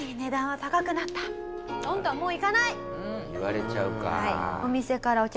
言われちゃうか。